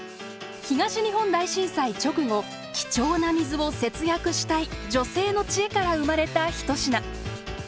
東日本大震災直後貴重な水を節約したい女性の知恵から生まれたひと品。